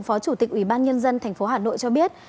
phó chủ tịch ủy ban nhân dân tp hà nội cho biết